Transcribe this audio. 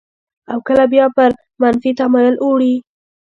او کله بیا پر منفي تمایل اوړي.